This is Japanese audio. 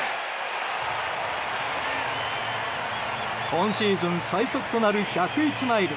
今シーズン最速となる１０１マイル